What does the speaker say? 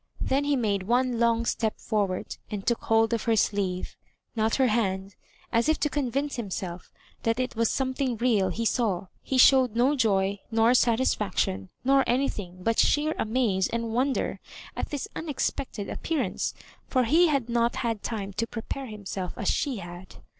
Then he made one long step forward, and took hold of her sleeve — ^not her hand — as if to convince himself that it was something real he saw. Be showed no joy, nor satisfaction, nor anything but sheer amaze and wonder, at this unexpected appearance, for he had not had time to prepare himself as she had.